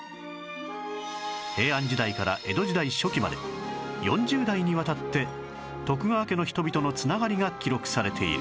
平安時代から江戸時代初期まで４０代にわたって徳川家の人々の繋がりが記録されている